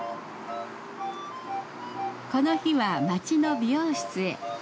この日は町の美容室へ。